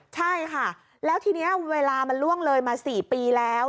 ใช่ค่ะแล้วทีนี้เวลามันล่วงเลยมา๔ปีแล้ว